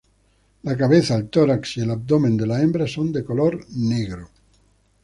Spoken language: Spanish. La cabeza, el tórax y el abdomen de las hembras son de color negro.